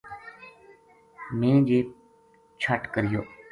میں جے چھٹ کریو